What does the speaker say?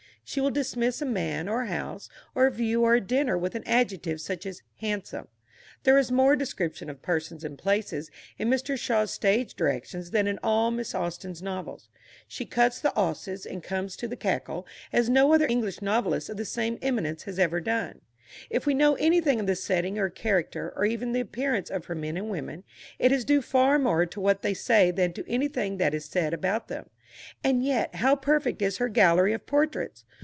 She will dismiss a man or a house or a view or a dinner with an adjective such as "handsome." There is more description of persons and places in Mr. Shaw's stage directions than in all Miss Austen's novels. She cuts the 'osses and comes to the cackle as no other English novelist of the same eminence has ever done. If we know anything of the setting or character or even the appearance of her men and women, it is due far more to what they say than to anything that is said about them. And yet how perfect is her gallery of portraits!